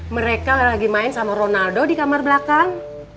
mereka lagi main sama ronaldo di kamar belakang